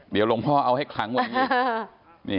เดี๋ยวโรงพ่อเอาให้ขลังไว้